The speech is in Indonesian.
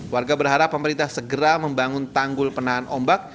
warga berharap pemerintah segera membangun tanggul penahan ombak